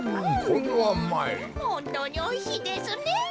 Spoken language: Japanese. ほんとうにおいしいですねえ。